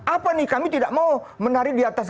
apa nih kami tidak mau menari di atas